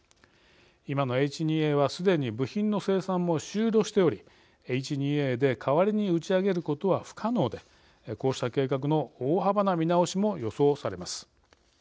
今のＨ２Ａはすでに部品の生産も終了しておりＨ２Ａで代わりに打ち上げることは不可能でこうした計画の大幅な見直しも予想されます。